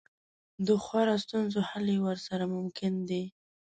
د خورا ستونزو حل یې ورسره ممکن دی.